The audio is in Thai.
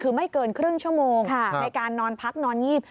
คือไม่เกินครึ่งชั่วโมงในการนอนพักนอนงีบ